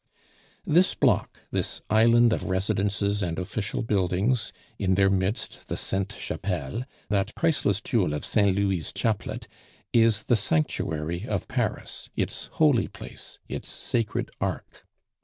This block, this island of residences and official buildings, in their midst the Sainte Chapelle that priceless jewel of Saint Louis' chaplet is the sanctuary of Paris, its holy place, its sacred ark.